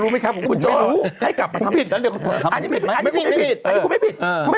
ไม่ผิด